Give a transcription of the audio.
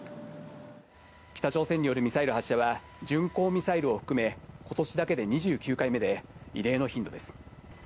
北朝鮮によるミサイル発射は巡航ミサイルを含め、今年だけで２９回目で異例の頻度です。